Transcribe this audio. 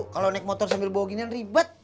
kalau naik motor sambil bawa ginian ribet